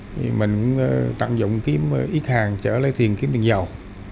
thì mình cũng tặng dụng kiếm ít hàng trở lấy tiền kiếm tiền giàu